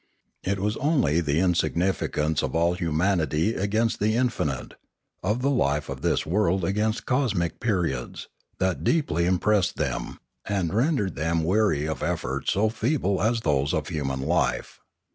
It was only the insignificance of all humanity against the in finite, of the life of this world against cosmic periods, that deeply impressed them, and rendered them weary 602 Limanora of efforts so feeble as those of human life.